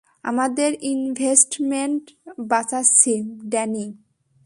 আমাদের ইনভেস্টমেন্ট বাঁচাচ্ছি, ড্যানি।